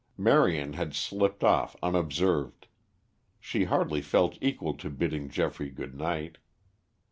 Marion had slipped off unobserved. She hardly felt equal to bidding Geoffrey good night.